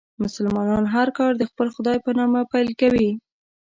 مسلمانان هر کار د خپل خدای په نامه پیل کوي.